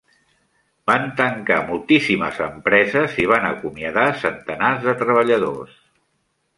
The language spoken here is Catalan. Van tancar moltíssimes empreses i van acomiadar centenars de treballadors.